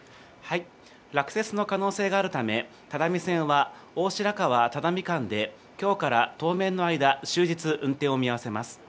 落雪の可能性があるため、只見線は大白川・只見間できょうから当面の間、終日、運転を見合わせます。